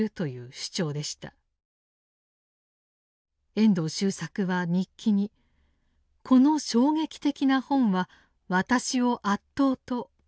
遠藤周作は日記に「この衝撃的な本は私を圧倒」と書き残しています。